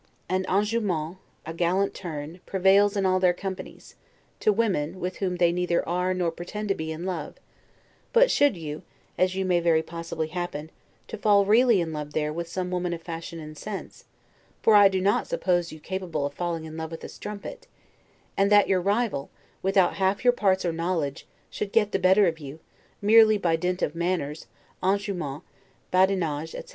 An 'enjouement', a gallant turn, prevails in all their companies, to women, with whom they neither are, nor pretend to be, in love; but should you (as may very possibly happen) fall really in love there with some woman of fashion and sense (for I do not suppose you capable of falling in love with a strumpet), and that your rival, without half your parts or knowledge, should get the better of you, merely by dint of manners, 'enjouement, badinage', etc.